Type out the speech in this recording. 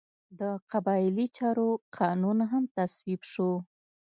د قبایلي چارو قانون هم تصویب شو.